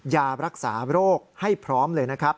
ยารักษาโรคให้พร้อมเลยนะครับ